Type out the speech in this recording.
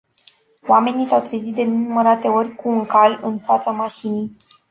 Oamenii s-au trezit de nenumărate ori cu un cal în fața mașinii.